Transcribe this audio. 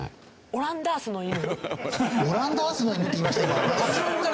『フランダースの犬』。